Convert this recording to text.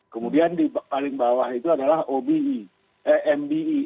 kemudian di paling bawah itu adalah obe mbe